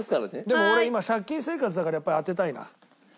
でも俺今借金生活だからやっぱり当てたいな。